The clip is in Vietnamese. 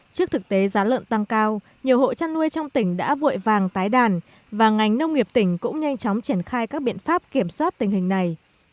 trước thực tế giá lợn tăng cao nhiều hộ chăn nuôi trong tỉnh đã vội vàng tái đàn và ngành nông nghiệp tỉnh cũng nhanh chóng triển khai các biện pháp kiểm soát tình hình này